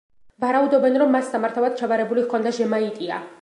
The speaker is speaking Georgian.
ვარაუდობენ, რომ მას სამართავად ჩაბარებული ჰქონდა ჟემაიტია.